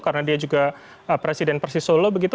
karena dia juga presiden persis solo